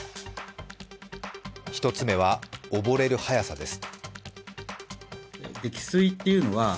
１つ目は溺れる早さです。